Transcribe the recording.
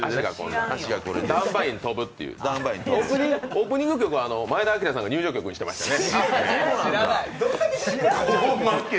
オープニング曲は前田日明さんが入場曲にしてましたね。